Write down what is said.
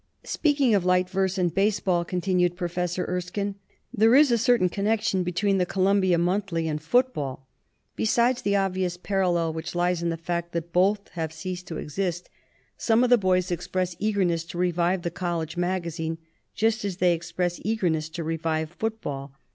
"Speaking of light verse and baseball," con tinued Professor Erskine, "there is a certain con nection between the Columbia Monthly and foot 207 LITERATURE IN THE MAKING ball, besides the obvious parallel which lies in the fact that both have ceased to exist. Some of the boys express eagerness to revive the college magazine, just as they express eagerness to revive football.